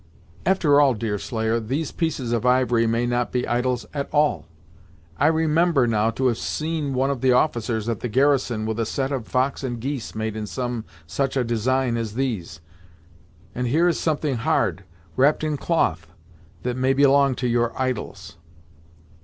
"After all, Deerslayer, these pieces of ivory may not be idols, at all. I remember, now, to have seen one of the officers at the garrison with a set of fox and geese made in some such a design as these, and here is something hard, wrapped in cloth, that may belong to your idols."